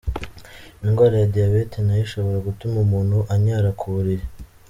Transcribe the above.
Indwara ya diyabete nayo ishobora gutuma umuntu anyara ku buriri.